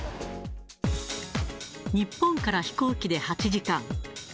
日本から飛行機で８時間。